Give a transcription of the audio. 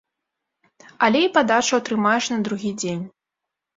Але і падачу атрымаеш на другі дзень.